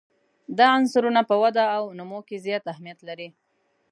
دا عنصرونه په وده او نمو کې زیات اهمیت لري.